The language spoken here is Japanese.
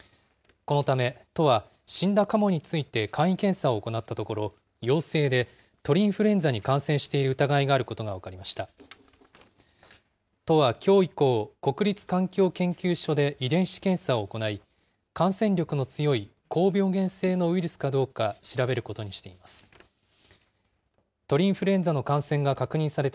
このため、都は、死んだカモについて簡易検査を行ったところ陽性で、鳥インフルエンザに感染している疑いがあることが分かりました。